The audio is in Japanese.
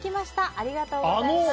ありがとうございます。